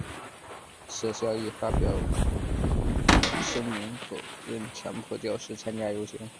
设校亦发表声明否认强迫教师参加游行。